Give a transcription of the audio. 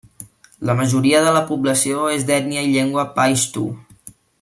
La majoria de la població és d'ètnia i llengua paixtu.